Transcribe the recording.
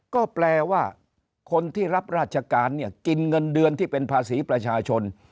ก็แปลว่าคนที่รับราชการเนี่ยกินเงินเดือนที่เป็นภาษีประชาชน